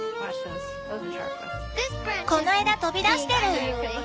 この枝飛び出してる！